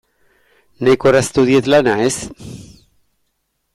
Nahiko erraztu diet lana, ez?